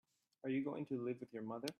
Are you going to live with your mother?